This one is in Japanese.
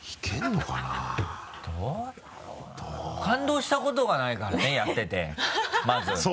感動したことがないからねやっててまず。